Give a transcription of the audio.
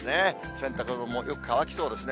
洗濯物もよく乾きそうですね。